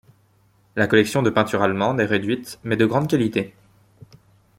La collection de peintures allemandes est réduite mais de grande qualité.